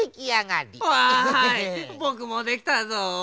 ぼくもできたぞ！